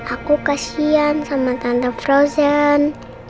aku kasihan sama tante frozen